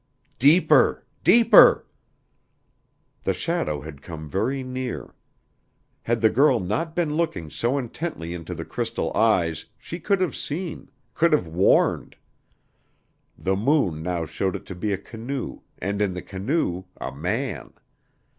"Deeper deeper!" The shadow had come very near. Had the girl not been looking so intently into the crystal eyes, she could have seen could have warned. The moon now showed it to be a canoe and in the canoe a man.